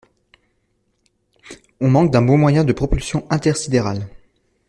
On manque d'un bon moyen de propulsion intersidéral.